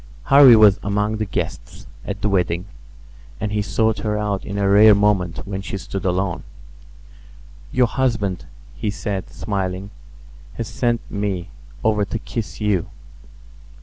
Harvy was among the guests at the wedding; and he sought her out in a rare moment when she stood alone. "Your husband," he said, smiling, "has sent me over to kiss you."